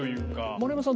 丸山さん